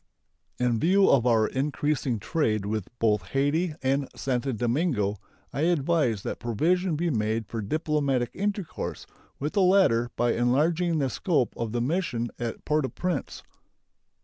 In view of our increasing trade with both Hayti and Santo Domingo, I advise that provision be made for diplomatic intercourse with the latter by enlarging the scope of the mission at Port au Prince.